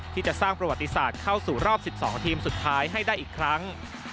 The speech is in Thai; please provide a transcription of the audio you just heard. ที่จะสร้างประวัติศาสตร์เข้าสู่รอบ๑๒ทีมสุดท้ายให้ได้อีกครั้ง